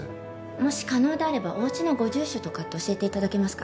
もし可能であればお家のご住所とかって教えて頂けますか？